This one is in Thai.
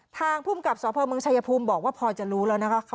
ทางภูมิกับสพเมืองชายภูมิบอกว่าพอจะรู้แล้วนะคะ